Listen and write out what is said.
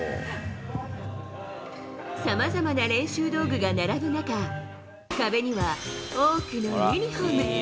さまざまな練習道具が並ぶ中、壁には多くのユニホーム。